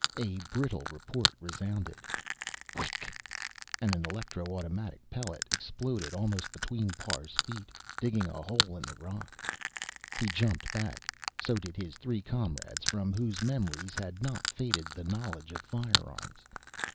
A brittle report resounded whick! And an electro automatic pellet exploded almost between Parr's feet, digging a hole in the rock. He jumped back. So did his three comrades, from whose memories had not faded the knowledge of firearms.